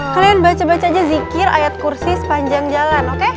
kalian baca baca aja zikir ayat kursi sepanjang jalan